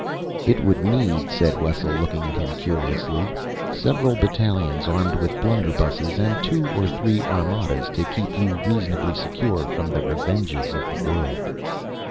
"It would need," said Wessel, looking at him curiously, "several battalions armed with blunderbusses, and two or three Armadas, to keep you reasonably secure from the revenges of the world."